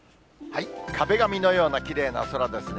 壁紙のようなきれいな空ですね。